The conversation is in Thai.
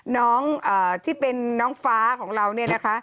น้องที่เป็นน้องฟ้าของเราเนี่ยนะคะ